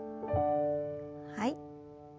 はい。